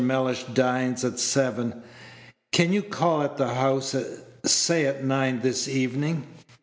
Mellish dines at seven. Can you call at the house, say at nine, this evening?